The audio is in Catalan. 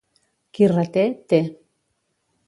Qui reté, té.